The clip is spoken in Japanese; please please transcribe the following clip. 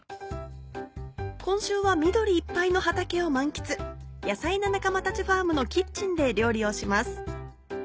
今週は緑いっぱいの畑を満喫ヤサイな仲間たちファームのキッチンで料理をします